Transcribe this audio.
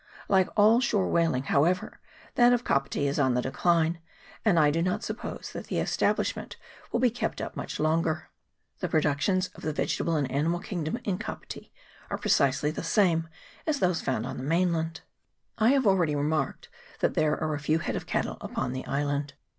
Like all shore whaling, however, that of Kapiti is on the decline, and I do not suppose that the establishment will be kept up much longer. The productions of the vegetable and animal king dom in Kapiti are precisely the same as those found on the mainland. 110 LAND SHARKS. [PART I, I have already remarked that there are a few head of cattle upon the island.